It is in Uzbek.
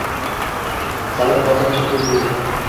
Sabr kosam chil-chil bo`ldi